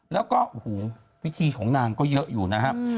แล้วก็โอ้โหพิธีของนางก็เยอะอยู่นะครับ